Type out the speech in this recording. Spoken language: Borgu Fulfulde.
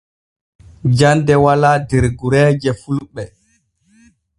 Jande wala der gureeje fulɓe.